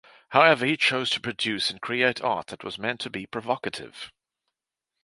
However he chose to produce and create art that was meant to be provocative.